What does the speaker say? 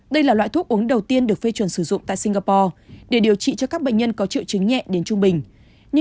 đây là loại thuốc uống đầu tiên được phê chuẩn sử dụng tại singapore để điều trị cho các bệnh nhân có triệu chứng nhẹ đến trung bình